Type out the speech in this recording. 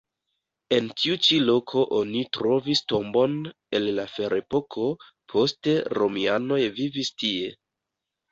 En tiu ĉi loko oni trovis tombon el la ferepoko, poste romianoj vivis tie.